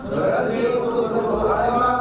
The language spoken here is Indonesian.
berhenti untuk berburu harimau